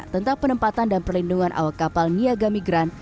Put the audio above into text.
tentang penempatan dan perlindungan awak kapal niaga migran